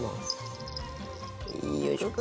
よいしょっ！